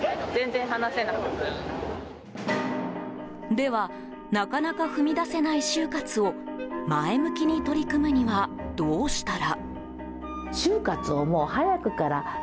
ではなかなか踏み出せない終活を前向きに取り組むにはどうしたら？